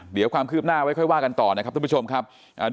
เดี๋ยวความคืบหน้าไว้ค่อยว่ากันต่อนะครับทุกผู้ชมครับ